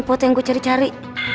ini foto yang gue cari cari